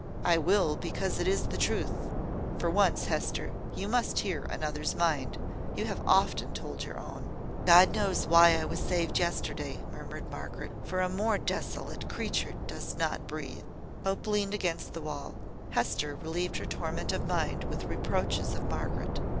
"I will, because it is the truth. For once, Hester, you must hear another's mind; you have often told your own." "God knows why I was saved yesterday," murmured Margaret; "for a more desolate creature does not breathe." Hope leaned against the wall. Hester relieved her torment of mind with reproaches of Margaret.